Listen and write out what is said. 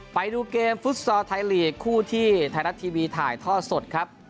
ไปดูเกมฟุตซอลไทยลีกคู่ที่ไทยรัฐทีวีถ่ายท่อสดครับ